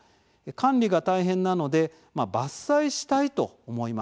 管理が大変なのでまあ伐採したいと思いました。